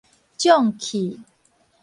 瘴氣